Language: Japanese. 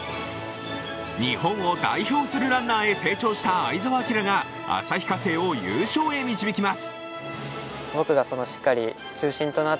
日本を代表するランナーへ成長した相澤晃が旭化成を優勝へ導きます。